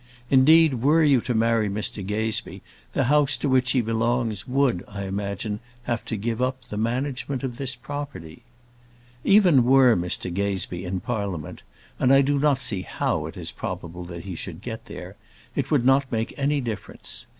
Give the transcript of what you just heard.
Indeed, were you to marry Mr Gazebee, the house to which he belongs would, I imagine, have to give up the management of this property. Even were Mr Gazebee in Parliament and I do not see how it is probable that he should get there it would not make any difference.